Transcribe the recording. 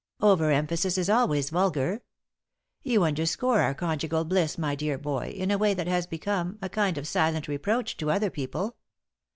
Overemphasis is always vulgar. You underscore our conjugal bliss, my dear boy, in a way that has become a kind of silent reproach to other people.